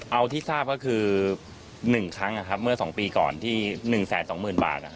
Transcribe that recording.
เอาที่ทราบก็คือ๑ครั้งเมื่อ๒ปีก่อนที่๑๒๐๐๐บาท